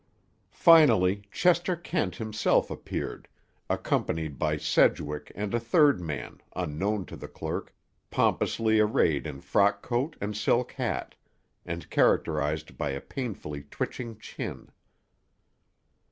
Finally, Chester Kent himself appeared, accompanied by Sedgwick and a third man, unknown to the clerk, pompously arrayed in frock coat and silk hat, and characterized by a painfully twitching chin.